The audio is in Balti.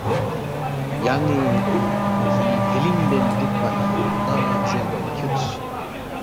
یان٘ی ہِلِنگ بین دُوکپا نہ ن٘ا زیربا مہ کھیُودس